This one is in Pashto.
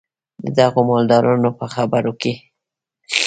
د دغو مالدارانو په خبرو کې.